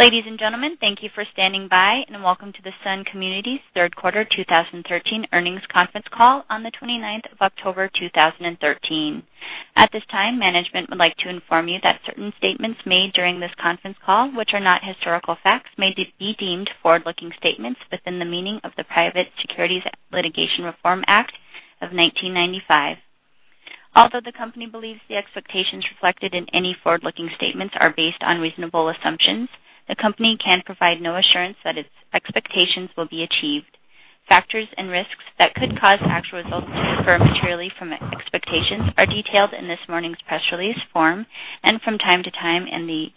Ladies and gentlemen, thank you for standing by and welcome to the Sun Communities Third Quarter 2013 earnings conference call on the 29th of October, 2013. At this time, management would like to inform you that certain statements made during this conference call, which are not historical facts, may be deemed forward-looking statements within the meaning of the Private Securities Litigation Reform Act of 1995. Although the company believes the expectations reflected in any forward-looking statements are based on reasonable assumptions, the company can provide no assurance that its expectations will be achieved. Factors and risks that could cause actual results to differ materially from expectations are detailed in this morning's press release form and from time to time in the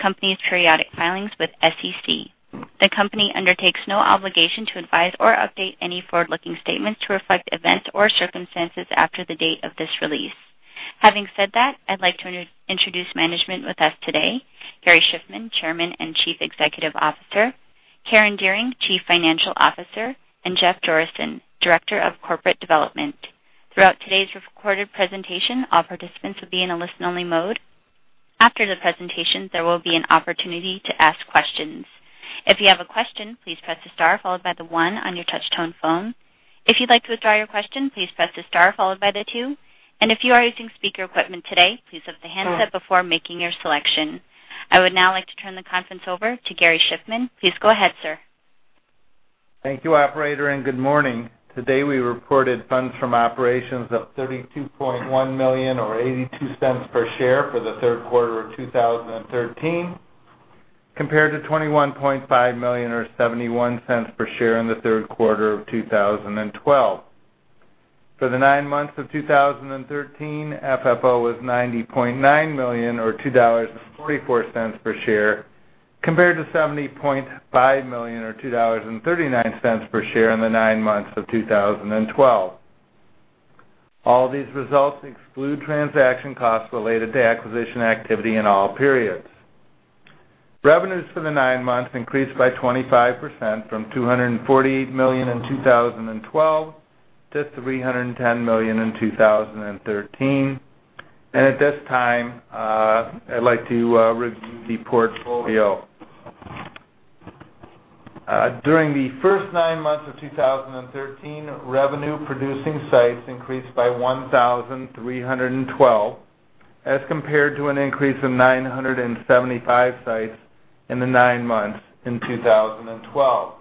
company's periodic filings with SEC. The company undertakes no obligation to advise or update any forward-looking statements to reflect events or circumstances after the date of this release. Having said that, I'd like to introduce management with us today: Gary Shiffman, Chairman and Chief Executive Officer, Karen Dearing, Chief Financial Officer, and Jeff Jorissen, Director of Corporate Development. Throughout today's recorded presentation, all participants will be in a listen-only mode. After the presentation, there will be an opportunity to ask questions. If you have a question, please press the star followed by the one on your touch-tone phone. If you'd like to withdraw your question, please press the star followed by the two. And if you are using speaker equipment today, please lift the handset before making your selection. I would now like to turn the conference over to Gary Shiffman. Please go ahead, sir. Thank you, Operator, and good morning. Today we reported funds from operations of $32.1 million, or $0.82 per share, for the third quarter of 2013, compared to $21.5 million, or $0.71 per share, in the third quarter of 2012. For the nine months of 2013, FFO was $90.9 million, or $2.44 per share, compared to $70.5 million, or $2.39 per share, in the nine months of 2012. All these results exclude transaction costs related to acquisition activity in all periods. Revenues for the nine months increased by 25% from $248 million in 2012 to $310 million in 2013. And at this time, I'd like to report portfolio. During the first nine months of 2013, revenue-producing sites increased by 1,312, as compared to an increase of 975 sites in the nine months in 2012.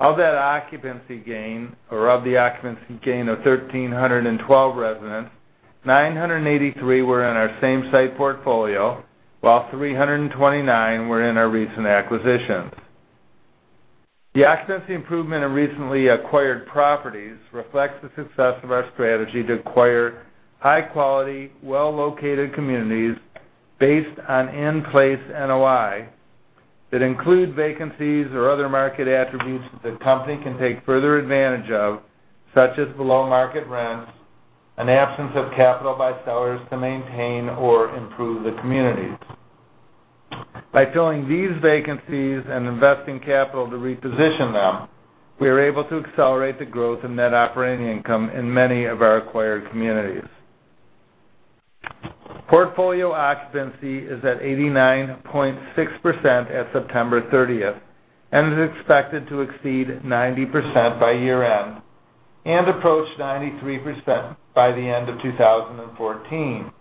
Of that occupancy gain, or of the occupancy gain of 1,312 residents, 983 were in our same site portfolio, while 329 were in our recent acquisitions. The occupancy improvement in recently acquired properties reflects the success of our strategy to acquire high-quality, well-located communities based on in-place NOI that include vacancies or other market attributes that the company can take further advantage of, such as below-market rents and absence of capital by sellers to maintain or improve the communities. By filling these vacancies and investing capital to reposition them, we are able to accelerate the growth of net operating income in many of our acquired communities. Portfolio occupancy is at 89.6% at September 30th and is expected to exceed 90% by year-end and approach 93% by the end of 2014.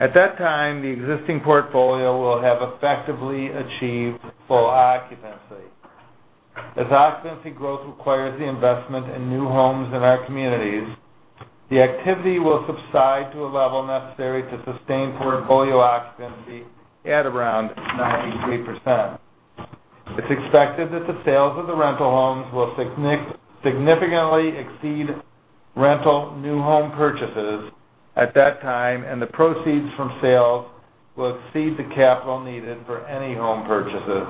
At that time, the existing portfolio will have effectively achieved full occupancy. As occupancy growth requires the investment in new homes in our communities, the activity will subside to a level necessary to sustain portfolio occupancy at around 93%. It's expected that the sales of the rental homes will significantly exceed rental new home purchases at that time, and the proceeds from sales will exceed the capital needed for any home purchases.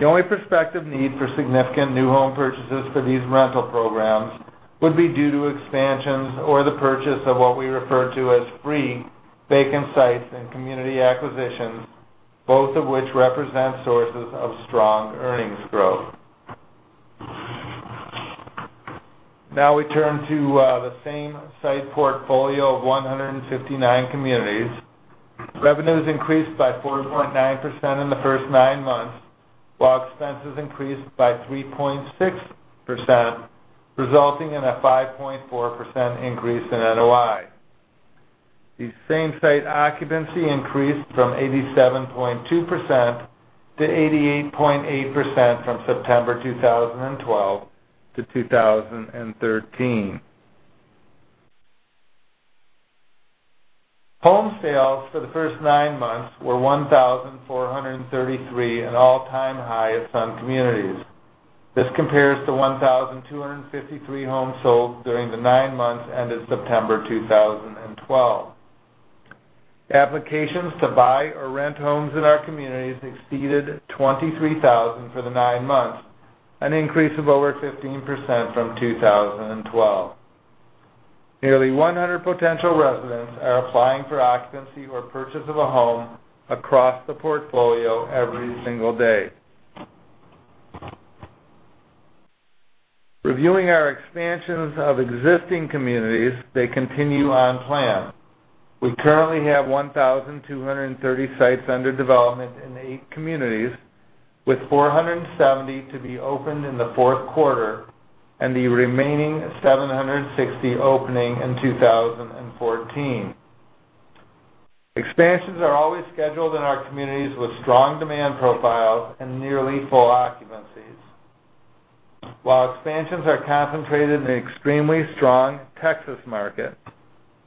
The only prospective need for significant new home purchases for these rental programs would be due to expansions or the purchase of what we refer to as free vacant sites and community acquisitions, both of which represent sources of strong earnings growth. Now we turn to the same site portfolio of 159 communities. Revenues increased by 4.9% in the first nine months, while expenses increased by 3.6%, resulting in a 5.4% increase in NOI. The same site occupancy increased from 87.2% to 88.8% from September 2012 to 2013. Home sales for the first nine months were 1,433, an all-time high at Sun Communities. This compares to 1,253 homes sold during the nine months ended September 2012. Applications to buy or rent homes in our communities exceeded 23,000 for the nine months, an increase of over 15% from 2012. Nearly 100 potential residents are applying for occupancy or purchase of a home across the portfolio every single day. Reviewing our expansions of existing communities, they continue on plan. We currently have 1,230 sites under development in eight communities, with 470 to be opened in the fourth quarter and the remaining 760 opening in 2014. Expansions are always scheduled in our communities with strong demand profiles and nearly full occupancies. While expansions are concentrated in the extremely strong Texas market,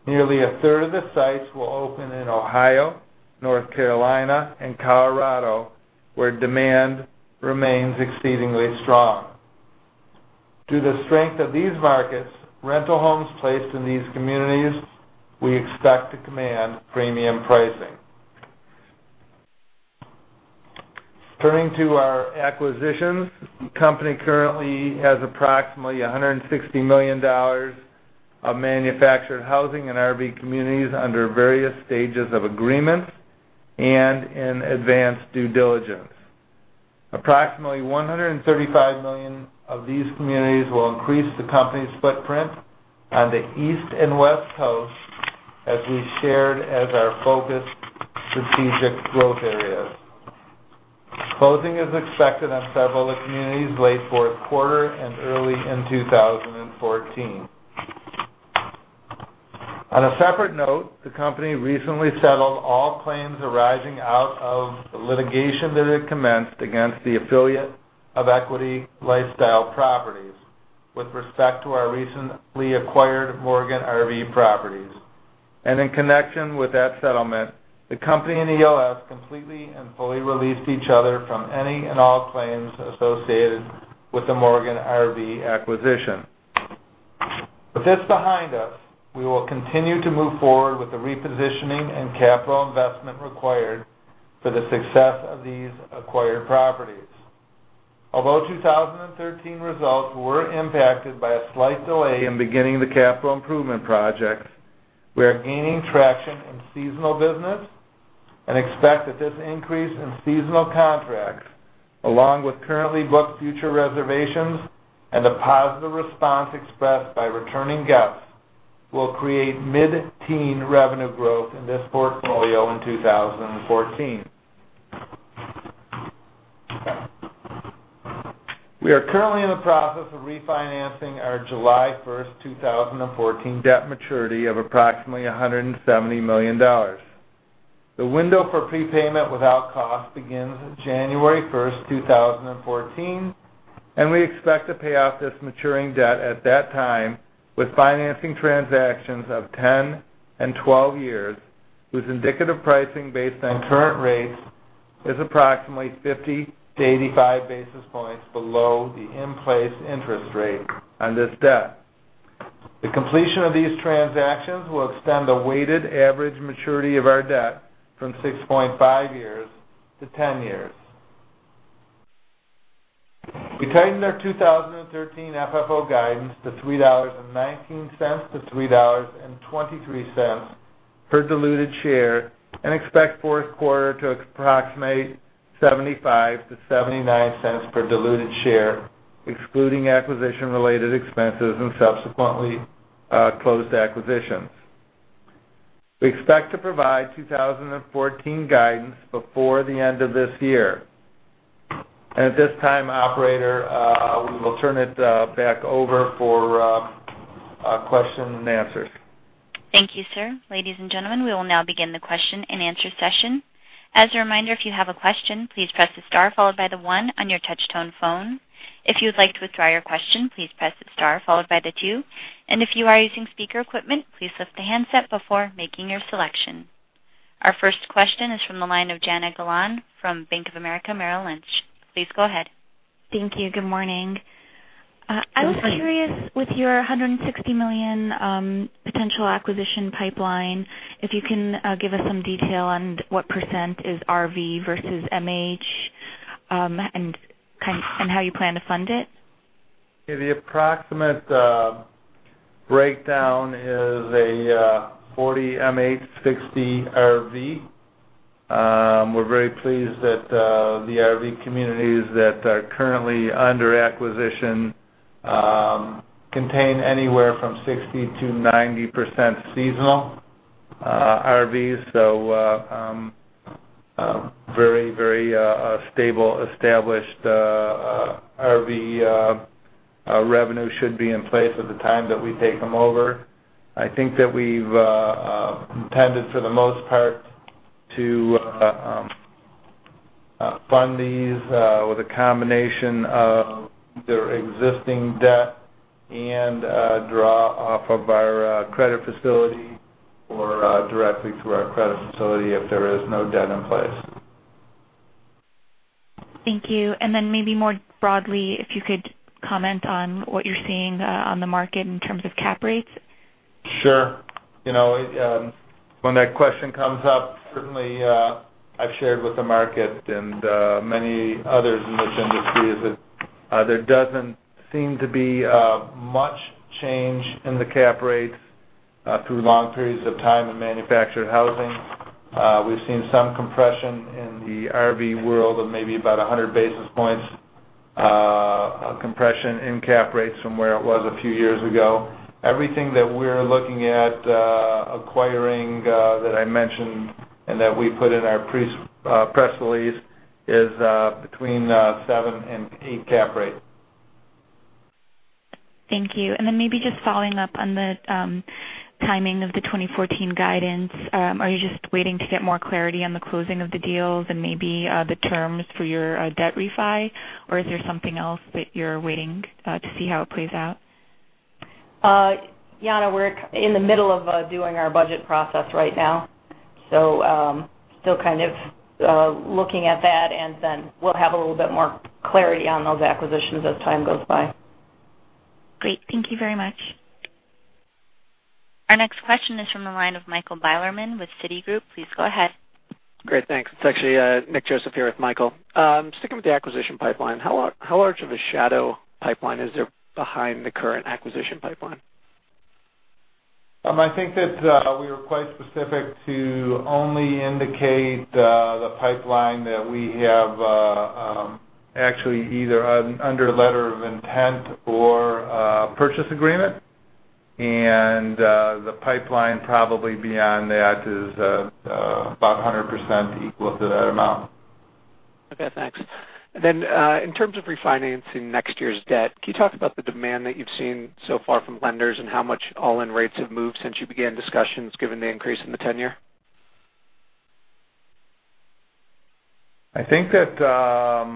nearly a third of the sites will open in Ohio, North Carolina, and Colorado, where demand remains exceedingly strong. Due to the strength of these markets, rental homes placed in these communities we expect to command premium pricing. Turning to our acquisitions, the company currently has approximately $160 million of manufactured housing in our communities under various stages of agreements and in advanced due diligence. Approximately $135 million of these communities will increase the company's footprint on the East and West Coast, as we shared as our focused strategic growth areas. Closing is expected on several of the communities late fourth quarter and early in 2014. On a separate note, the company recently settled all claims arising out of the litigation that had commenced against the affiliate of Equity Lifestyle Properties with respect to our recently acquired Morgan RV Resorts. In connection with that settlement, the company and ELS completely and fully released each other from any and all claims associated with the Morgan RV acquisition. With this behind us, we will continue to move forward with the repositioning and capital investment required for the success of these acquired properties. Although 2013 results were impacted by a slight delay in beginning the capital improvement projects, we are gaining traction in seasonal business and expect that this increase in seasonal contracts, along with currently booked future reservations and a positive response expressed by returning guests, will create mid-teen revenue growth in this portfolio in 2014. We are currently in the process of refinancing our July 1st, 2014 debt maturity of approximately $170 million. The window for prepayment without cost begins January 1st, 2014, and we expect to pay off this maturing debt at that time with financing transactions of 10 and 12 years, whose indicative pricing based on current rates is approximately 50 to 85 basis points below the in-place interest rate on this debt. The completion of these transactions will extend the weighted average maturity of our debt from 6.5 years to 10 years. We tightened our 2013 FFO guidance to $3.19-$3.23 per diluted share and expect fourth quarter to approximate $0.75-$0.79 per diluted share, excluding acquisition-related expenses and subsequently closed acquisitions. We expect to p````rovide 2014 guidance before the end of this year. At this time, Operator, we will turn it back over for questions and answers. Thank you, sir. Ladies and gentlemen, we will now begin the question and answer session. As a reminder, if you have a question, please press the star followed by the one on your touch-tone phone. If you would like to withdraw your question, please press the star followed by the two. If you are using speaker equipment, please lift the handset before making your selection. Our first question is from the line of Jana Galan from Bank of America Merrill Lynch. Please go ahead. Thank you. Good morning. I was curious with your $160 million potential acquisition pipeline, if you can give us some detail on what % is RV versus MH and how you plan to fund it? The approximate breakdown is a 40 MH, 60 RV. We're very pleased that the RV communities that are currently under acquisition contain anywhere from 60%-90% seasonal RVs, so very, very stable, established RV revenue should be in place at the time that we take them over. I think that we've intended, for the most part, to fund these with a combination of their existing debt and draw off of our credit facility or directly to our credit facility if there is no debt in place. Thank you. Then maybe more broadly, if you could comment on what you're seeing on the market in terms of cap rates. Sure. You know, when that question comes up, certainly I've shared with the market and many others in this industry that there doesn't seem to be much change in the cap rates through long periods of time in manufactured housing. We've seen some compression in the RV world of maybe about 100 basis points of compression in cap rates from where it was a few years ago. Everything that we're looking at acquiring that I mentioned and that we put in our press release is betwee`n seven and eight cap rates. Thank you. And then maybe just following up on the timing of the 2014 guidance, are you just waiting to get more clarity on the closing of the deals and maybe the terms for your debt refi, or is there something else that you're waiting to see how it plays out? Jana, we're in the middle of doing our budget process right now, so still kind of looking at that, and then we'll have a little bit more clarity on those acquisitions as time goes by. Great. Thank you very much. Our next question is from the line of Michael Bilerman with Citigroup. Please go ahead. Great. Thanks. It's actually Nick Joseph here with Michael. Sticking with the acquisition pipeline, how large of a shadow pipeline is there behind the current acquisition pipeline? I think that we were quite specific to only indicate the pipeline that we have actually either under a letter of intent or a purchase agreement, and the pipeline probably beyond that is about 100% equal to that amount. Okay. Thanks. Then in terms of refinancing next year's debt, can you talk about the demand that you've seen so far from lenders and how much all-in rates have moved since you began discussions given the increase in the 10-Year? I think that,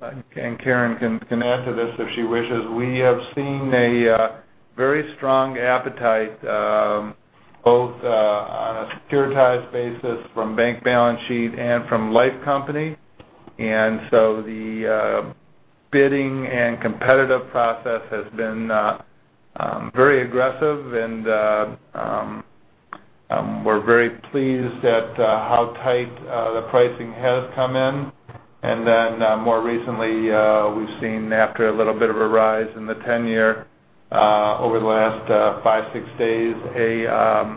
and Karen can answer this if she wishes, we have seen a very strong appetite both on a securitized basis from bank balance sheet and from life company. And so the bidding and competitive process has been very aggressive, and we're very pleased at how tight the pricing has come in. And then more recently, we've seen, after a little bit of a rise in the 10-Year over the last 5, 6 days, a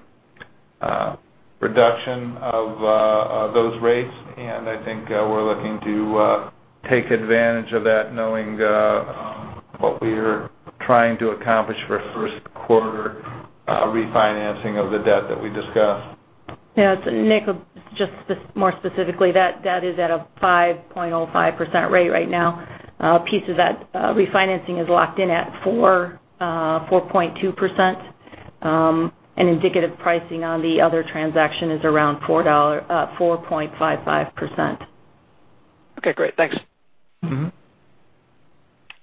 reduction of those rates. And I think we're looking to take advantage of that, knowing what we are trying to accomplish for first quarter refinancing of the debt that we discussed. Yeah. Nick, just more specifically, that debt is at a 5.05% rate right now. A piece of that refinancing is locked in at 4.2%, and indicative pricing on the other transaction is around 4.55%. Okay. Great. Thanks.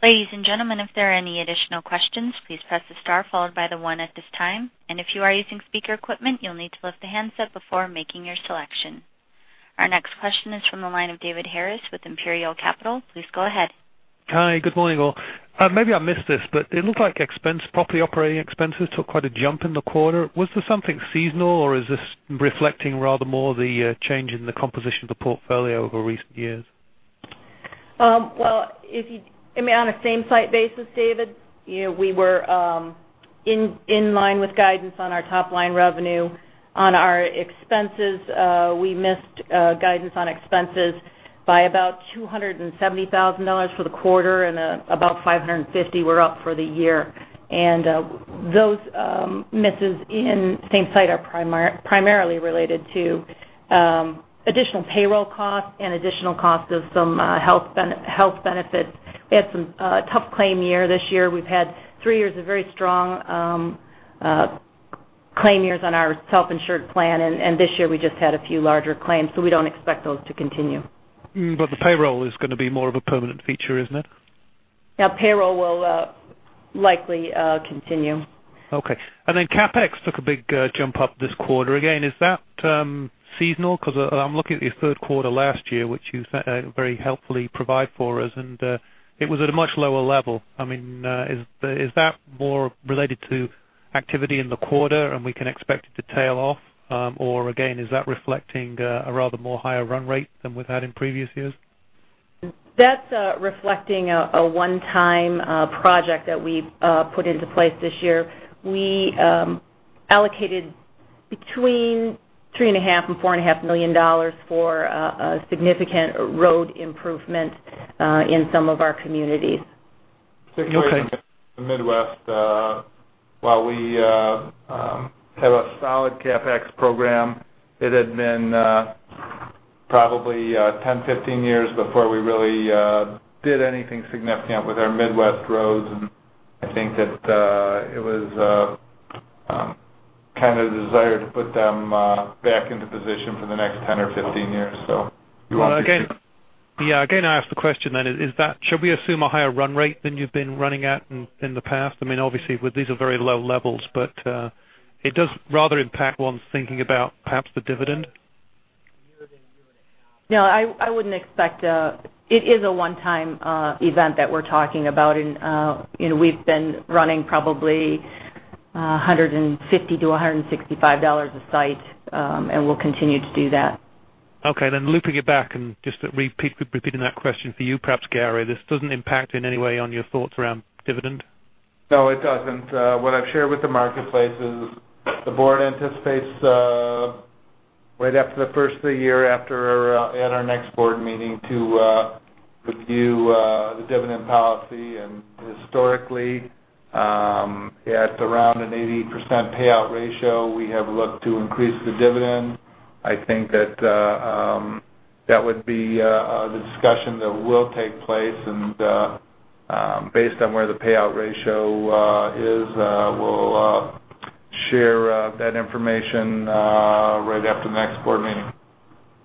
Ladies and gentlemen, if there are any additional questions, please press the star followed by the one at this time. If you are using speaker equipment, you'll need to lift the handset before making your selection. Our next question is from the line of David Harris with Imperial Capital. Please go ahead. Hi. Good morning, all. Maybe I missed this, but it looked like expenses, property operating expenses took quite a jump in the quarter. Was this something seasonal, or is this reflecting rather more the change in the composition of the portfolio over recent years? Well, I mean, on a same-site basis, David, we were in line with guidance on our top-line revenue. On our expenses, we missed guidance on expenses by about $270,000 for the quarter and about $550,000 we're up for the year. Those misses in same-site are primarily related to additional payroll costs and additional costs of some health benefits. We had some tough claim year this year. We've had three years of very strong claim years on our self-insured plan, and this year we just had a few larger claims, so we don't expect those to continue. But the payroll is going to be more of a permanent feature, isn't it? Yeah. Payroll will likely continue. Okay. And then CapEx took a big jump up this quarter. Again, is that seasonal? Because I'm looking at your third quarter last year, which you very helpfully provided for us, and it was at a much lower level. I mean, is that more related to activity in the quarter and we can expect it to tail off? Or again, is that reflecting a rather more higher run rate than we've had in previous years? That's reflecting a one-time project that we put into place this year. We allocated between $3.5 and $4.5 million for a significant road improvement in some of our communities. Same thing in the Midwest. While we have a solid CapEx program, it had been probably 10, 15 years before we really did anything significant with our Midwest roads, and I think that it was kind of a desire to put them back into position for the next 10 or 15 years, so. Well, again, yeah, again, I asked the question then, should we assume a higher run rate than you've been running at in the past? I mean, obviously, these are very low levels, but it does rather impact one's thinking about perhaps the dividend. No, I wouldn't expect. It is a one-time event that we're talking about, and we've been running probably $150-$165 a site, and we'll continue to do that. Okay. Then looping it back and just repeating that question for you, perhaps, Gary, this doesn't impact in any way on your thoughts around dividend? No, it doesn't. What I've shared with the marketplace is the board anticipates right after the first of the year at our next board meeting to review the dividend policy. Historically, at around an 80% payout ratio, we have looked to increase the dividend. I think that that would be the discussion that will take place, and based on where the payout ratio is, we'll share that information right after the next board meeting.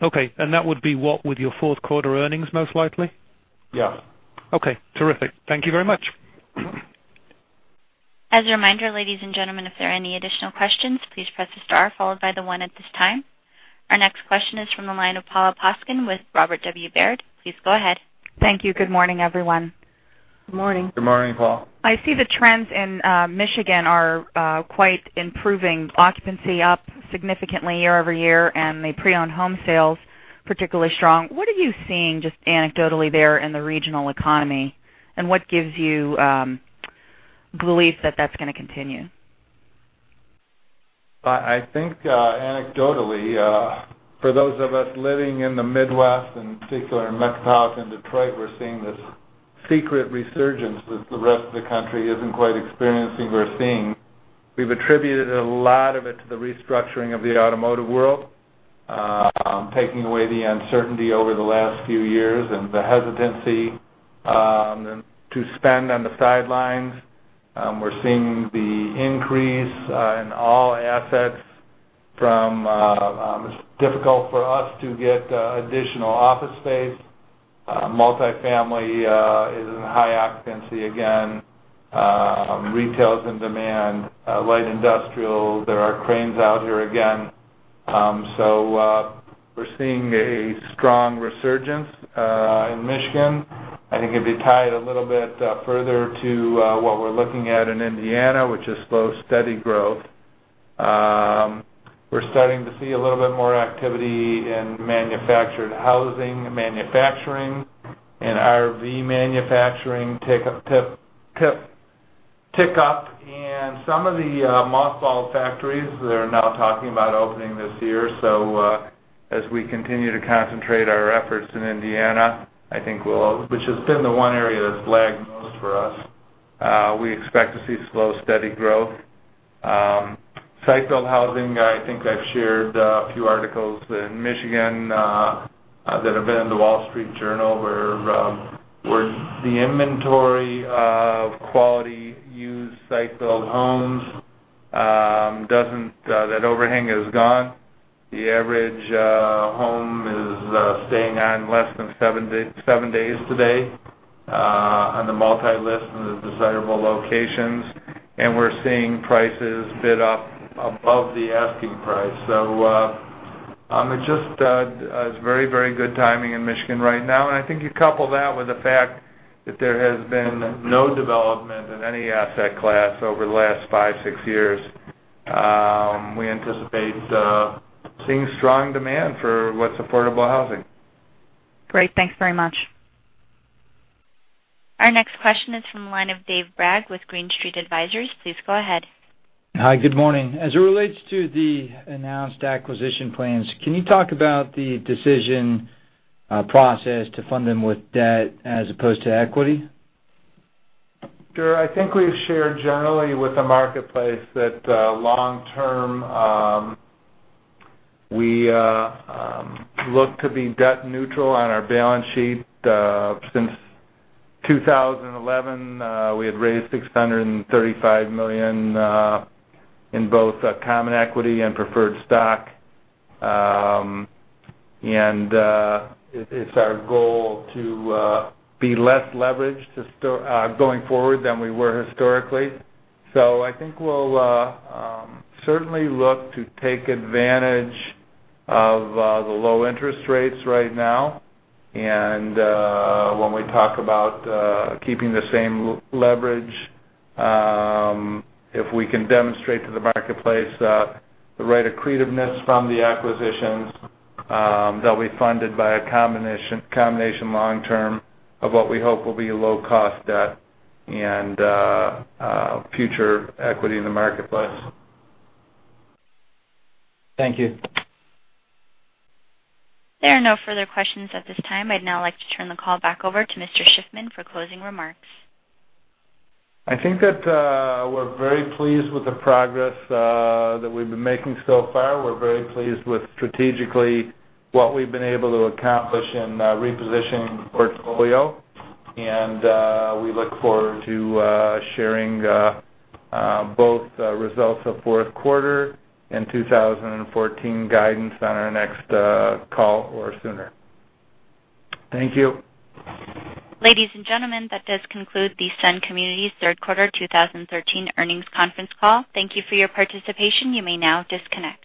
Okay. That would be what with your fourth quarter earnings most likely? Yeah. Okay. Terrific. Thank you very much. As a reminder, ladies and gentlemen, if there are any additional questions, please press the star followed by the one at this time. Our next question is from the line of Paula Poskon with Robert W. Baird. Please go ahead. Thank you. Good morning, everyone. Good morning. Good morning, Paula. I see the trends in Michigan are quite improving. Occupancy up significantly year-over-year, and the pre-owned home sales particularly strong. What are you seeing just anecdotally there in the regional economy, and what gives you belief that that's going to continue? I think anecdotally, for those of us living in the Midwest, in particular in Michigan and Detroit, we're seeing this secret resurgence that the rest of the country isn't quite experiencing or seeing. We've attributed a lot of it to the restructuring of the automotive world, taking away the uncertainty over the last few years and the hesitancy to spend on the sidelines. We're seeing the increase in all assets from. It's difficult for us to get additional office space. Multifamily is in high occupancy again. Retail's in demand. Light industrial, there are cranes out here again. So we're seeing a strong resurgence in Michigan. I think if you tie it a little bit further to what we're looking at in Indiana, which is slow, steady growth, we're starting to see a little bit more activity in manufactured housing, manufacturing, and RV manufacturing tick up. Some of the mothballed factories, they're now talking about opening this year. So as we continue to concentrate our efforts in Indiana, I think we'll, which has been the one area that's lagged for us, we expect to see slow, steady growth. Site-built housing, I think I've shared a few articles in Michigan that have been in the Wall Street Journal where the inventory of quality used site-built homes, that overhang is gone. The average home is staying on less than seven days today on the multi-list and the desirable locations, and we're seeing prices bid up above the asking price. So it's just very, very good timing in Michigan right now. And I think you couple that with the fact that there has been no development in any asset class over the last five, six years. We anticipate seeing strong demand for what's affordable housing. Great. Thanks very much. Our next question is from the line of Dave Bragg with Green Street Advisors. Please go ahead. Hi. Good morning. As it relates to the announced acquisition plans, can you talk about the decision process to fund them with debt as opposed to equity? Sure. I think we've shared generally with the marketplace that long-term we look to be debt neutral on our balance sheet. Since 2011, we had raised $635 million in both common equity and preferred stock, and it's our goal to be less leveraged going forward than we were historically. So I think we'll certainly look to take advantage of the low interest rates right now. And when we talk about keeping the same leverage, if we can demonstrate to the marketplace the right accretiveness from the acquisitions that'll be funded by a combination long-term of what we hope will be low-cost debt and future equity in the marketplace. Thank you. There are no further questions at this time. I'd now like to turn the call back over to Mr. Shiffman for closing remarks. I think that we're very pleased with the progress that we've been making so far. We're very pleased with strategically what we've been able to accomplish in repositioning portfolio, and we look forward to sharing both results of fourth quarter and 2014 guidance on our next call or sooner. Thank you. Ladies and gentlemen, that does conclude the Sun Communities Third Quarter 2013 earnings conference call. Thank you for your participation. You may now disconnect.